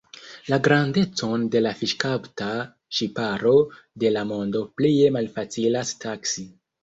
La grandecon de la fiŝkapta ŝiparo de la mondo plie malfacilas taksi.